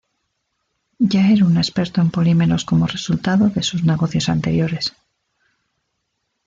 Ya era un experto en polímeros como resultado de sus negocios anteriores.